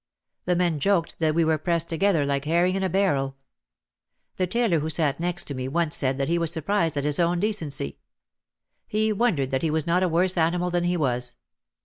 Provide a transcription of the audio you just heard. The men joked that we were pressed together like herring in a barrel. The tailor who sat next to me once said that he was sur prised at his own decency. He wondered that he was not a worse animal than he was.